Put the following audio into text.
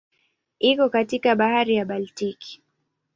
Iko kati ya Bahari ya Baltiki.